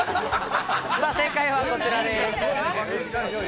正解はこちらです。